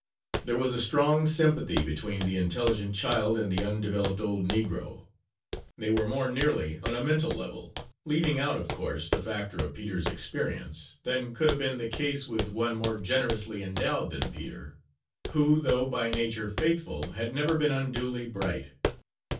There was a strong, sympathy between the intelligent child and the undeveloped old negro; they were more nearly on a mental level, leaving out, of course, the factor of Peter's experience, than could have been the case with one more generously endowed than Peter, who, though by nature faithful, had never been unduly bright.